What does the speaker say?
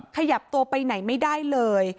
ขยับตัวไปไหนไม่ได้เลย